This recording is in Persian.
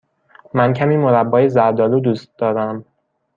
من کمی مربای زرد آلو دوست دارم.